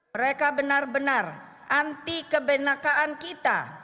mereka benar benar anti kebenakaan kita